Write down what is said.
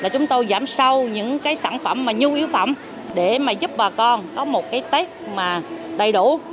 chúng tôi giảm sâu những sản phẩm nhu yếu phẩm để giúp bà con có một tết đầy đủ